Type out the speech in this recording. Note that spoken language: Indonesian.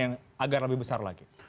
yang agar lebih besar lagi